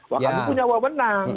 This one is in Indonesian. wah kami punya wawenang